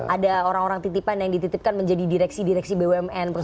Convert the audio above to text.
ada orang orang titipan yang dititipkan menjadi direksi direksi bumn